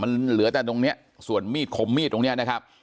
มันเหลือแต่ตรงเนี้ยส่วนมีดคมมีดตรงเนี้ยนะครับ